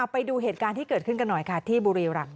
ไปดูเหตุการณ์ที่เกิดขึ้นกันหน่อยค่ะที่บุรีรำ